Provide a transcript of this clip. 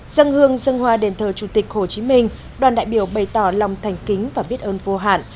dân hương dân hoa đền thờ chủ tịch hồ chí minh đoàn đại biểu bày tỏ lòng thành kính và biết ơn vô hạn